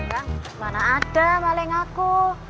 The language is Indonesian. bang kemana ada maling aku